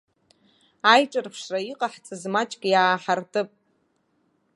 Аиҿырԥшра иҟаҳҵаз маҷк иааҳартып.